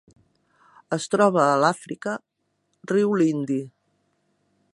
Es troba a Àfrica: riu Lindi.